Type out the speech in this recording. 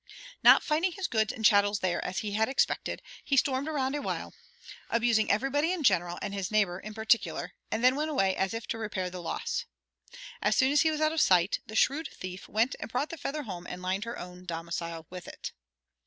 Not finding his goods and chattels there as he had expected, he stormed around a while, abusing everybody in general and his neighbor in particular, and then went away as if to repair the loss. As soon as he was out of sight, the shrewd thief went and brought the feather home and lined her own domicile with it.